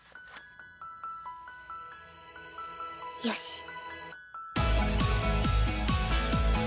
よし。